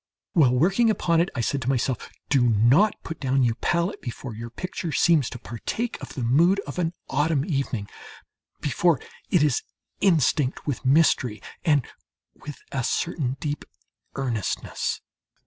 While working upon it, I said to myself: "Do not put down your palette before your picture seems to partake of the mood of an autumn evening, before it is instinct with mystery and with a certain deep earnestness."